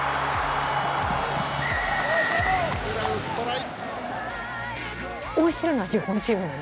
フランストライ！